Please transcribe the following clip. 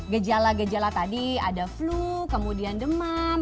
gejala gejala tadi ada flu kemudian demam